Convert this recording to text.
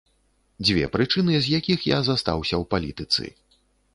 Дзве прычыны, з якіх я застаўся ў палітыцы.